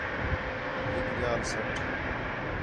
ہِک ڄال سَٹ